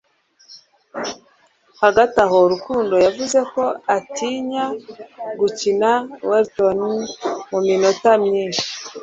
Hagati aho, Rukundo yavuze ko atinya gukina Walton mu minota myinshi